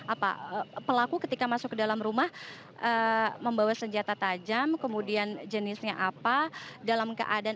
apa pelaku ketika masuk ke dalam rumah membawa senjata tajam kemudian jenisnya apa dalam keadaan